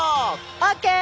オッケー！